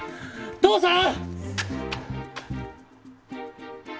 父さん！